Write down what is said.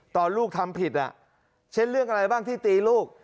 ตอนลูกทำผิดเช่นเรื่องอะไรบ้างที่ตีลูก